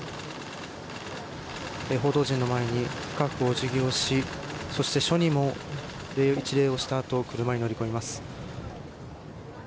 報道陣の前に深くお辞儀をしそして署にも一礼したあと車に乗り込みます。